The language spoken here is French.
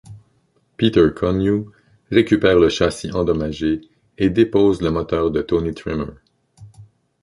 Peter Connew récupère le châssis endommagé et dépose le moteur de Tony Trimmer.